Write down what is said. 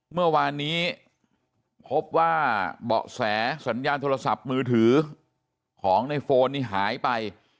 เมื่อวานนี้พบว่าเบาะแสสัญญาณโทรศัพท์มือถือของในโฟนนี่หายไป